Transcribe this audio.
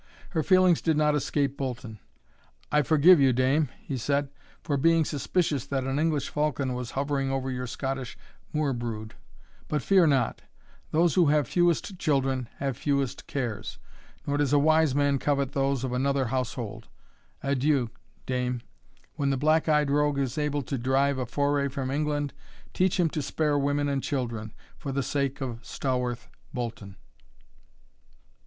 Her feelings did not escape Bolton: "I forgive you, dame," he said, "for being suspicious that an English falcon was hovering over your Scottish moor brood. But fear not those who have fewest children have fewest cares; nor does a wise man covet those of another household. Adieu, dame; when the black eyed rogue is able to drive a foray from England, teach him to spare women and children, for the sake of Stawarth Bolton."